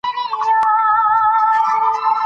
په پردېسۍ کې ځان د ګور په څنډه ښکاره شو.